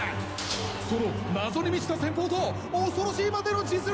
その謎に満ちた戦法と恐ろしいまでの実力